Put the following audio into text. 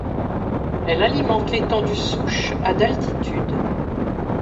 Elle alimente l'étang du Souche à d'altitude.